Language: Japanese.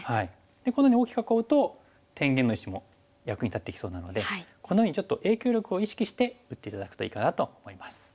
このように大きく囲うと天元の石も役に立ってきそうなのでこのようにちょっと影響力を意識して打って頂くといいかなと思います。